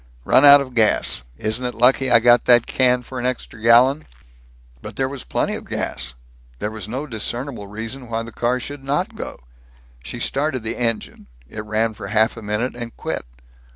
"Run out of gas. Isn't it lucky I got that can for an extra gallon?" But there was plenty of gas. There was no discernible reason why the car should not go. She started the engine. It ran for half a minute and quit.